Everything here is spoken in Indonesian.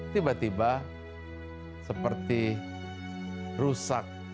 tiba tiba seperti rusak